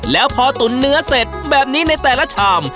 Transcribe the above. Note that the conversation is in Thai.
แล้วพอตุ๋นเนื้อเสร็จแบบนี้ในแต่ละชาม